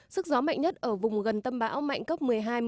sức gió mạnh nhất ở vùng gần tâm bão mạnh cấp một mươi hai một mươi